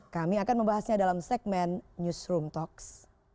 kami akan membahasnya dalam segmen newsroom talks